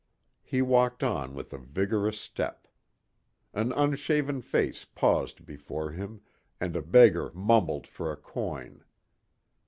He walked on with a vigorous step. An unshaven face paused before him and a beggar mumbled for a coin.